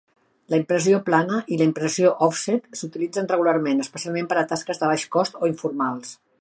La impressió plana i la impressió òfset s'utilitzen regularment, especialment per a tasques de baix cost o informals.